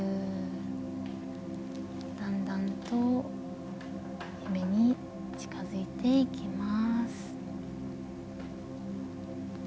だんだんと夢に近づいていきます。